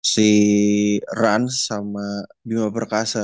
si rans sama bima perkasa